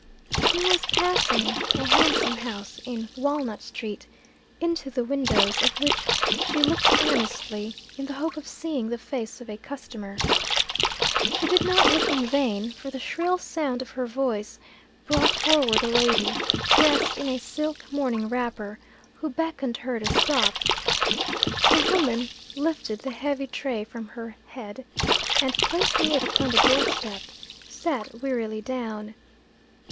She was passing a handsome house in Walnut street, into the windows of which she looked earnestly, in the hope of seeing the face of a customer. She did not look in vain, for the shrill sound of her voice brought forward a lady, dressed in a silk morning wrapper, who beckoned her to stop. The woman lifted the heavy, tray from her bead, and placing it upon the door step, sat wearily down.